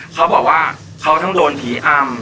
เขาบอกว่าเขาทั้งโดนผีอำ